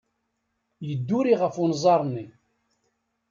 Yedduri ɣef unẓar-nni.